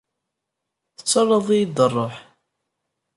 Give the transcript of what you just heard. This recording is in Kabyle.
Tettarraḍ-iyi-d ṛṛuḥ.